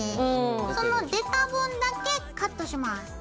その出た分だけカットします。